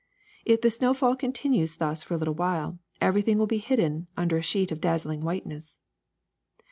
If the snowfall continu^es thus for a little while, everything will be hidden under a sheet of dazzling whiteness.